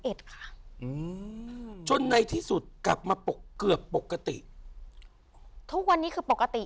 อืมจนในที่สุดกลับมาปกเกือบปกติทุกวันนี้คือปกติ